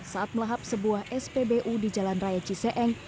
saat melahap sebuah spbu di jalan raya ciseeng